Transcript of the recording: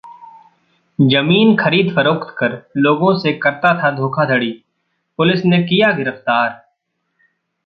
जमीन खरीद-फरोख्त कर लोगों से करता था धोखाधड़ी, पुलिस ने किया गिरफ्तार